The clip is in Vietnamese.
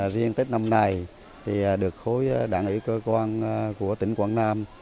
riêng tết năm nay thì được khối đảng ủy cơ quan của tỉnh quảng nam